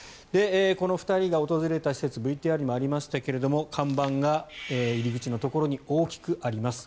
この２人が訪れた施設ＶＴＲにもありましたが看板が入り口のところに大きくあります。